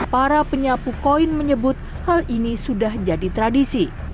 para penyapu koin menyebut hal ini sudah jadi tradisi